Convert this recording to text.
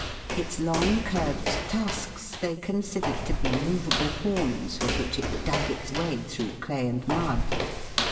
Its long curved tusks they considered to be movable THE MAMMOTH, 259 horns with which it dug its way through clay and mud.